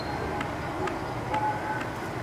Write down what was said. ওহ হ্যাঁ, গ্যাস।